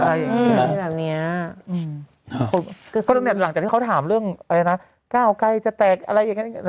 หลังจากที่เขาถามเรื่องก้าวใกล้จะแตกอะไรอย่างนี้